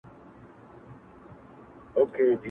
o زړه ئې ښه که، کار ئې وکه٫